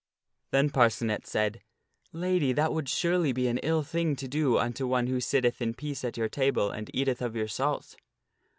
Then Parcenet said, " Lady, that would surely be an ill thing to do unto one who sitteth in peace at your table and eateth of your salt."